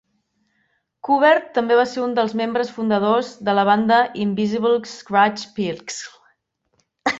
Qbert també va ser un dels membres fundadors de la banda Invisibl Skratch Piklz.